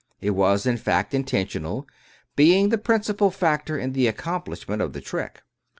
It was, in fact, intentional, being the principal factor in the accomplishment of the trick.